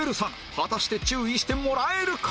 果たして注意してもらえるか